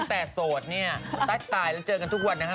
แต่โสดใจตายแล้วเจอกันแหลมทุกวัน